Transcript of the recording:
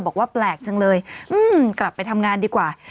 บอกว่าแปลกจังเลยกลับไปทำงานดีกว่า